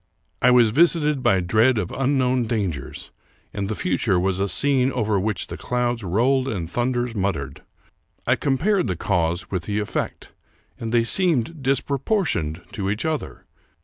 I was visited by dread of unknown dangers, and the future was a scene over which clouds rolled and thun ders muttered. I compared the cause with the efifect, and they seemed disproportioned to each other.